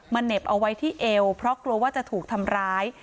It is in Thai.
เหน็บเอาไว้ที่เอวเพราะกลัวว่าจะถูกทำร้าย